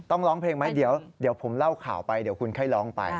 ร้องเพลงไหมเดี๋ยวผมเล่าข่าวไปเดี๋ยวคุณค่อยร้องไป